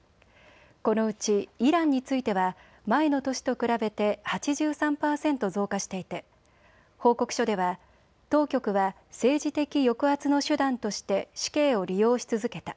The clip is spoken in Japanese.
このうちイランについては前の年と比べて８３％増加していて報告書では当局は政治的抑圧の手段として死刑を利用し続けた。